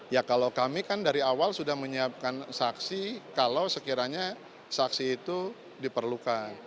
ya kalau kami kan dari awal sudah menyiapkan saksi kalau sekiranya saksi itu diperlukan